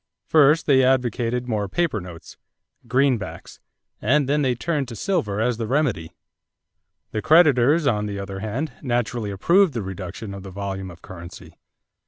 First they advocated more paper notes greenbacks and then they turned to silver as the remedy. The creditors, on the other hand, naturally approved the reduction of the volume of currency.